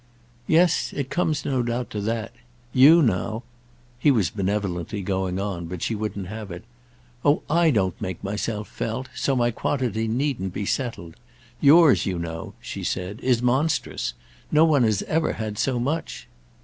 "Yes, it comes, no doubt, to that. You now—" He was benevolently going on, but she wouldn't have it. "Oh I don't make myself felt; so my quantity needn't be settled. Yours, you know," she said, "is monstrous. No one has ever had so much."